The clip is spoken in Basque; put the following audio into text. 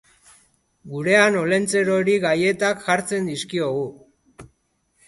Gurean Olentzerori gailetak jartzen dizkiogu.